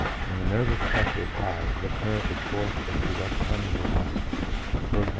When the nervous pressure is high, the current is forced into less permeable lines — i.e.